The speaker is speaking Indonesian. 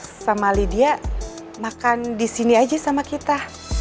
pak alex sama lydia makan disini aja sama kita